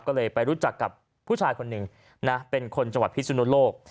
ก็เลยไปรู้จักกับผู้ชายคนหนึ่งนะเป็นคนจังหวัดพิสุนุโลก